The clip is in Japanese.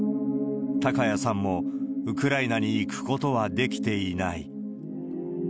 高谷さんも、ウクライナに行くことはできていない。